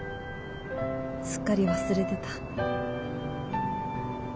すっかり忘れてた。